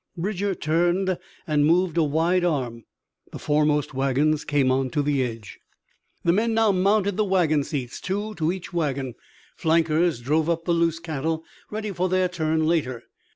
Bridger turned and moved a wide arm. The foremost wagons came on to the edge. The men now mounted the wagon seats, two to each wagon. Flankers drove up the loose cattle, ready for their turn later.